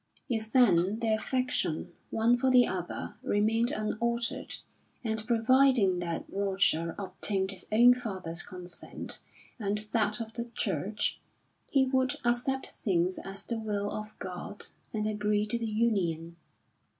If then the affection, one for the other, remained unaltered, and providing that Roger obtained his own father's consent and that of the Church, he would accept things as the will of God and agree to the union.